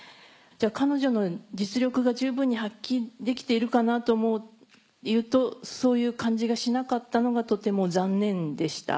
彼女の実力が十分に発揮できているかなというとそういう感じがしなかったのがとても残念でした。